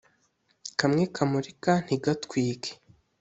kamwe kamurika ntigatwike